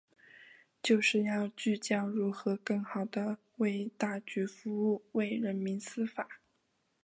就是要聚焦如何更好地为大局服务、为人民司法